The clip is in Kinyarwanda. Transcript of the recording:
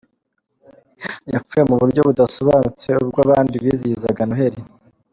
Yapfuye mu buryo budasobanutse ubwo abandi bizihizaga Noheli